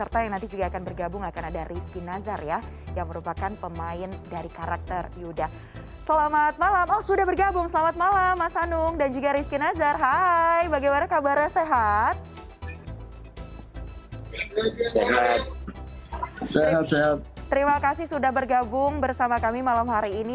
terima kasih sudah bergabung bersama kami malam hari ini